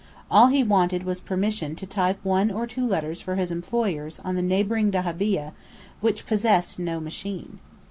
All he wanted was permission to type one or two letters for his employers on the neighbouring dahabeah, which possessed no machine.